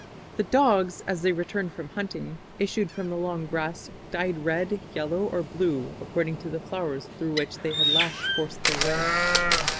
The dogs, as they returned from hunting, issued from the long grass dyed red, yellow, or blue, according to the flowers through which they had last forced their way....